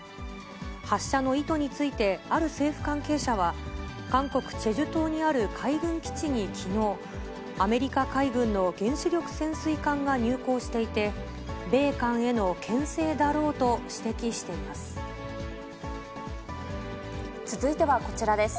発射の意図について、ある政府関係者は、韓国・チェジュ島にある海軍基地にきのう、アメリカ海軍の原子力潜水艦が入港していて、米韓へのけん制だろ続いてはこちらです。